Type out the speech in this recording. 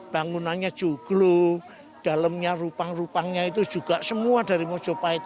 bangunannya joglo dalamnya rupang rupangnya itu juga semua dari mojopahit